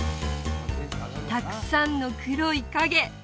たくさんの黒い影